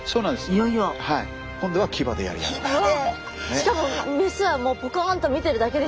しかも雌はもうポカンと見てるだけでしたね。